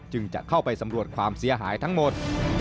จะเข้าไปสำรวจความเสียหายทั้งหมด